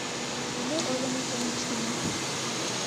Ынде ойлымо семын ыштена.